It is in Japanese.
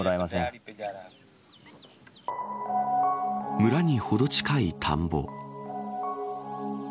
村にほど近い田んぼ。